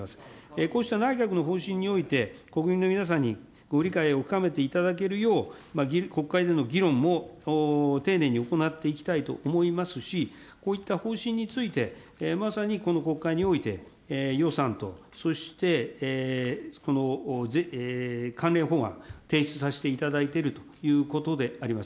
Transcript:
こうした内閣の方針において、国民の皆さんにご理解を深めていただけるよう、国会での議論も丁寧に行っていきたいと思いますし、こういった方針について、まさにこの国会において、予算と、そしてこの関連法案、提出させていただいているということであります。